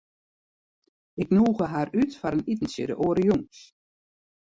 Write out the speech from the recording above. Ik nûge har út foar in itentsje de oare jûns.